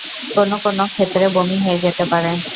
কোনো কোনো ক্ষেত্রে বমি হয়ে যেতে পারে।